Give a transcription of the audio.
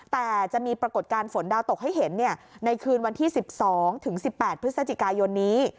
แต่จะมีปรากฏการณ์ฝนดาวตกให้เห็นในคืนวันที่๑๒ถึง๑๘พฤศจิกายนนี้